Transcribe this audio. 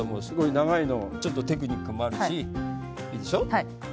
テクニックもあるしいいでしょ。